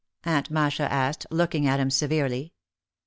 Aunt Masha asked, looking at him severely.